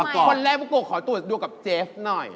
คนแรกบุโกะขอตรวจดูกับเจฟหน่อย